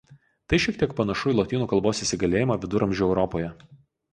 Tai šiek tiek panašu į lotynų kalbos įsigalėjimą viduramžių Europoje.